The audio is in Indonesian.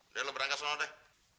udah lu berangkat sana deh